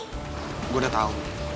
gue udah tau